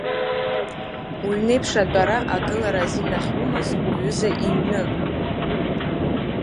Уҩнеиԥш атәара, агылара азин ахьумаз уҩыза иҩны.